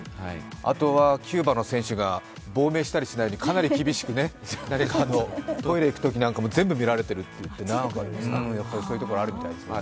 あとはキューバの選手が亡命しないように、かなり厳しくトイレ行くときなんかも全部見られているというところがあるみたいですね。